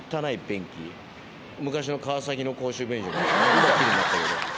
今キレイになったけど。